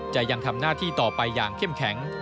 ยังทำหน้าที่ต่อไปอย่างเข้มแข็ง